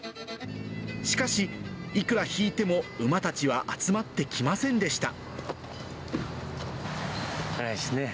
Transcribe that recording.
しかし、いくら弾いても馬たちは集まってきませんでした。来ないですね。